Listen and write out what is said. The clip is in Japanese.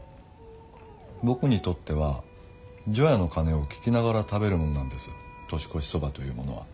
僕にとっては除夜の鐘を聞きながら食べるものなんです「年越しそば」というものは。